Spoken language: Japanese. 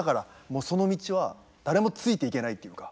もうその道は誰もついていけないっていうか。